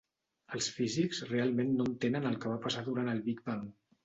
Els físics realment no entenen el que va passar durant el big bang